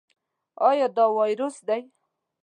ایا دا وایروس دی؟